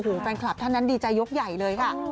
แฟนคลับท่านนั้นดีใจยกใหญ่เลยค่ะ